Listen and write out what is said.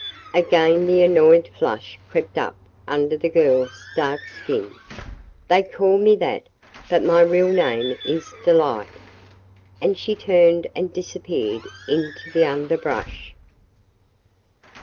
Again the annoyed flush crept up under the girl's dark skin. "They call me that, but my real name is Delight!" And she turned and disappeared into the underbrush.